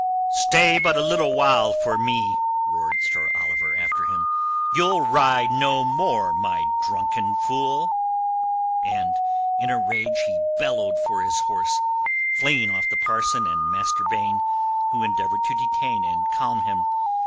"Stay but a little while for me," roared Sir Oliver after him. "You'll ride no more, my drunken fool!" And in a rage he bellowed for his horse, flinging off the parson and Master Baine, who endeavoured to detain and calm him.